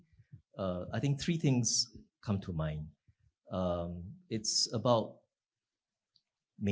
saya pikir tiga hal yang terjadi